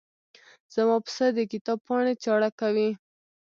زما پسه د کتاب پاڼې چاړه کوي.